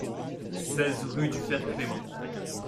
seize rue du Père Clément